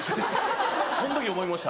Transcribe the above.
その時思いました